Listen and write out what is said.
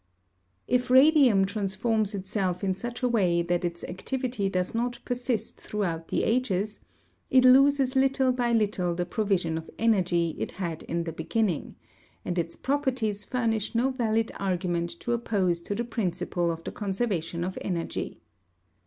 ] If radium transforms itself in such a way that its activity does not persist throughout the ages, it loses little by little the provision of energy it had in the beginning, and its properties furnish no valid argument to oppose to the principle of the conservation of energy.